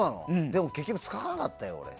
でも結局、使わなかったよ。